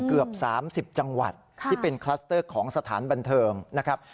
เกือบ๓๐จังหวัดที่เป็นคลัสเตอร์ของสถานบันเทิงนะครับ